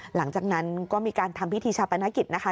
หลังจากนั้นก็มีการทำพิธีชาปนกิจนะคะ